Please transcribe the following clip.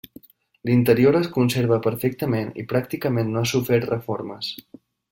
L'interior es conserva perfectament i pràcticament no ha sofert reformes.